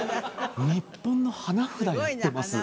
日本の花札やってます